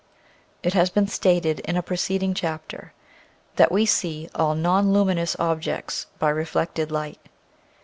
It has been stated in a preceding chapter that we see all nonluminous objects by re flected light.